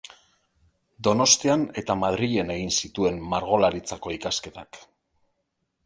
Donostian eta Madrilen egin zituen Margolaritzako ikasketak.